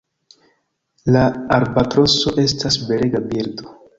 La Albatroso estas belega birdo.